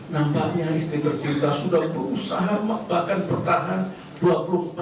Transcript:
nampaknya istri tercinta sudah berusaha memakbakan pertahanan